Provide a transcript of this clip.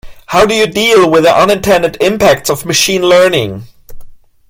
How do you deal with the unintended impacts of machine learning?